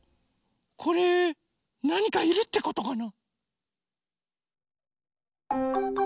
これなにかいるってことかな？